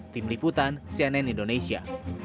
tim liputan cnn indonesia